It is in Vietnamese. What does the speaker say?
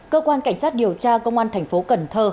cơ quan cảnh sát điều tra công an thành phố cần thơ